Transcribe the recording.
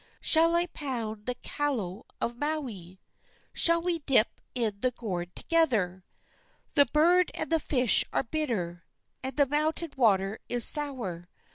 Shall I pound the kalo of Maui? Shall we dip in the gourd together? The bird and the fish are bitter, And the mountain water is sour.